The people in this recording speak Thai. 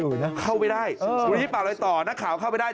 ภารกิจที่เข้าไปได้วีปะโลยต่อหน้าข่าวเข้าไปได้